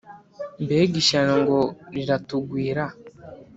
mbega ishyano ngo riratugwira